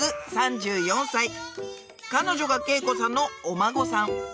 彼女が慶子さんのお孫さん